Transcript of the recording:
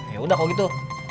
yaudah kalo gitu